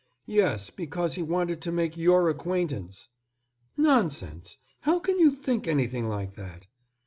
"Yes, because he wanted to make your acquaintance." "Nonsense. How can you think anything like that?"